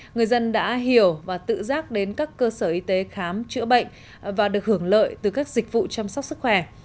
người dân đã hiểu và tự giác đến các cơ sở y tế khám chữa bệnh và được hưởng lợi từ các dịch vụ chăm sóc sức khỏe